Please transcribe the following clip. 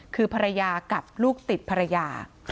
คือภรรยากับลูกติดภรรยา